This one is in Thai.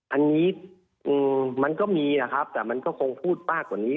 อันนี้มันก็มีนะครับแต่มันก็คงพูดมากกว่านี้